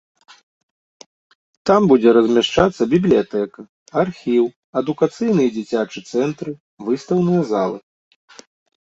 Там будзе размяшчацца бібліятэка, архіў, адукацыйны і дзіцячы цэнтры, выстаўныя залы.